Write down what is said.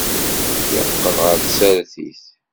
Yeqqel ɣer tsertit.